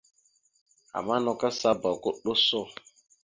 Ama nakw kasaba goko ɗʉso.